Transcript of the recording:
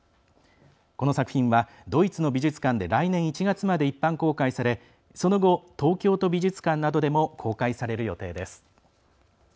この作品はドイツの美術館で来年１月まで一般公開されその後、東京都美術館などでも公開される予定です。